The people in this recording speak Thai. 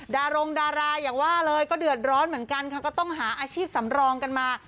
ดารงดาราอย่างว่าเลยก็เดือดร้อนเหมือนกันค่ะก็ต้องหาอาชีพสำรองกันมา